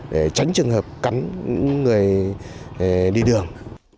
để tránh trường hợp cắn người đi đường